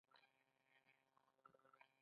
آیا دوی بیرته اباد نه کړل؟